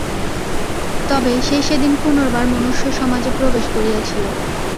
তবে সে সেদিন পুনর্বার মনুষ্যসমাজে প্রবেশ করিয়াছিল।